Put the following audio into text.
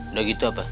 udah gitu apa